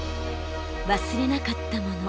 忘れなかったもの。